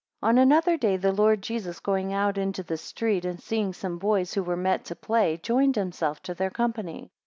ON another day the Lord Jesus going out into the street, and seeing some boys who were met to play, joined himself to their company.